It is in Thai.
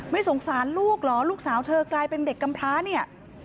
สงสารลูกเหรอลูกสาวเธอกลายเป็นเด็กกำพร้าเนี่ย